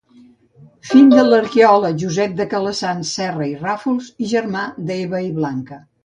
Fill de l'arqueòleg Josep de Calassanç Serra i Ràfols i germà d'Eva i Blanca.